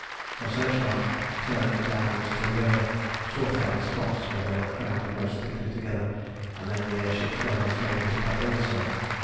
Her searchlight, turned downwards to the earth, sought out the spots where they were crowded most thickly together, and then the air ship's guns came into play also.